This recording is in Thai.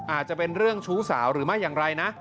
อาจจะเป็นเรื่องชู้สาวหรือไม่อย่างไรนะ